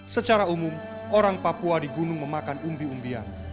secara umum orang papua di gunung memakan umbi umbian